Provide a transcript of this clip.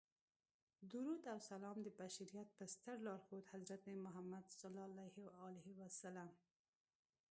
درود او سلام د بشریت په ستر لارښود حضرت محمد صلی الله علیه وسلم.